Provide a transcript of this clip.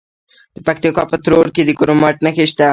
د پکتیکا په تروو کې د کرومایټ نښې شته.